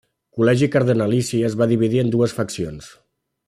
Col·legi Cardenalici es va dividir en dues faccions.